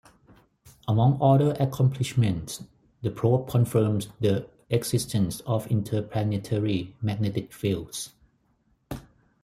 Among other accomplishments, the probe confirmed the existence of interplanetary magnetic fields.